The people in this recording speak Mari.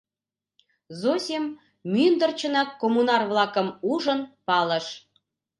Зосим мӱндырчынак коммунар-влакым ужын палыш.